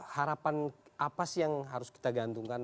harapan apa sih yang harus kita gantungkan